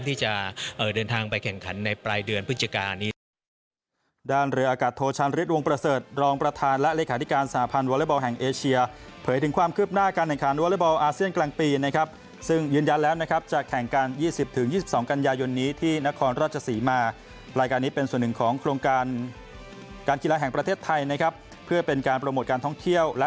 ที่จะเดินทางไปแข่งขันในปลายเดือนพฤศจิกานี้